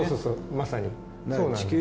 まさに。